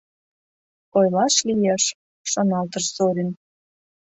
«Ойлаш лиеш», — шоналтыш Зорин.